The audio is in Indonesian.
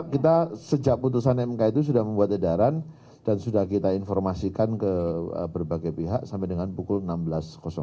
kita sejak putusan mk itu sudah membuat edaran dan sudah kita informasikan ke berbagai pihak sampai dengan pukul enam belas